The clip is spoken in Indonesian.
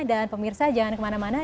dan pemirsa jangan kemana mana